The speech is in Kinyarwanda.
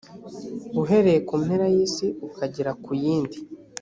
uhereye ku mpera y’isi ukagera ku yindi